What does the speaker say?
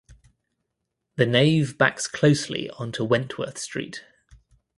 The nave backs closely onto Wentworth Street.